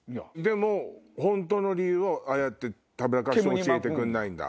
でも本当の理由はああやってたぶらかして教えてくれない。